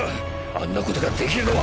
あんなことができるのは。